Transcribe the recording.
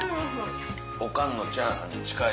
おかんのチャーハンに近い。